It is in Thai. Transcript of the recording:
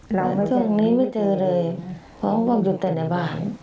หลังจากนี้ไม่เจอเลยเพราะว่ามันอยู่แต่ในบ้าน